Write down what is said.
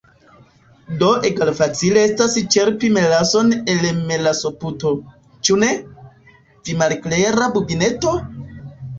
Do egalfacile estas ĉerpi melason el melasoputo, ĉu ne? vi malklera bubineto?